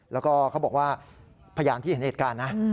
แล้วก็เขาบอกว่าพยานที่เห็นเหตุการณ์นะ